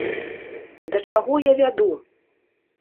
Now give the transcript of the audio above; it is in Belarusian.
Да чаго я вяду?